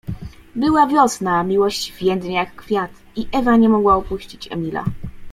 Była wiosna, „miłość więdnie jak kwiat”, i Ewa nie mogła opuścić Emila.